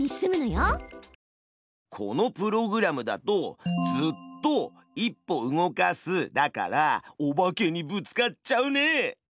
このプログラムだと「ずっと」「１歩動かす」だからオバケにぶつかっちゃうね。